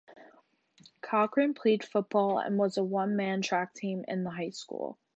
Cochran played football and was a one-man track team in the high school.